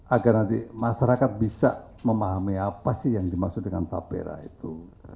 agar nanti masyarakat bisa memahami apa sih yang dimaksud dengan tapera itu